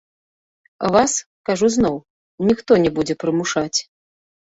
Вас, кажу зноў, ніхто не будзе прымушаць.